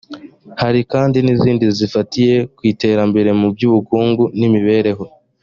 hari kandi n izindi zifatiye ku iterambere mu by ubukungu n imibereho